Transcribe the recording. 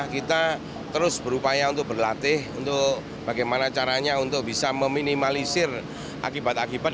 kita terus berupaya untuk berlatih untuk bagaimana caranya untuk bisa meminimalisir akibat akibat